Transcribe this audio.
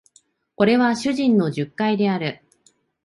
これは主人の述懐である